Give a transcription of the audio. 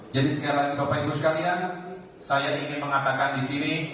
jadi sekarang bapak ibu sekalian saya ingin mengatakan di sini